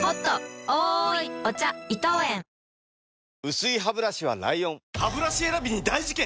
薄いハブラシは ＬＩＯＮハブラシ選びに大事件！